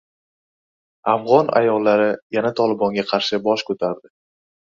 Afg‘on ayollari yana Tolibonga qarshi bosh ko‘tardi